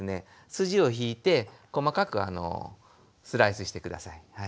筋を引いて細かくスライスして下さい。